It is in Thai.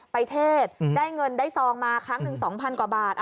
เทศได้เงินได้ซองมาครั้งหนึ่ง๒๐๐กว่าบาท